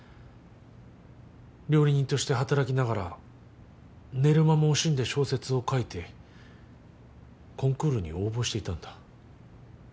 料理人として働きながら寝る間も惜しんで小説を書いてコンクールに応募していたんだ。